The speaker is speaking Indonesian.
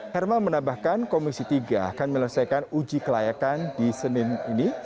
herma menambahkan komisi tiga akan menyelesaikan uji kelayakan di senin ini